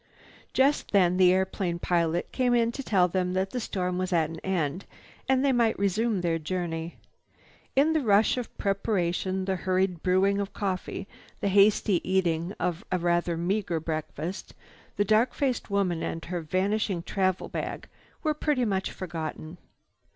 Just then the airplane pilot came in to tell them that the storm was at an end and they might resume their journey. In the rush of preparation, the hurried brewing of coffee, the hasty eating of a rather meager breakfast, the dark faced woman and her vanished traveling bag were pretty much forgotten.